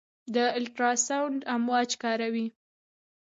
د الټراساونډ امواج کاروي.